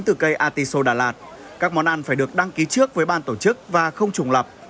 từ cây artiso đà lạt các món ăn phải được đăng ký trước với ban tổ chức và không trùng lập